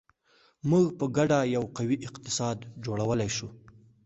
موږ په ګډه یو قوي اقتصاد جوړولی شو.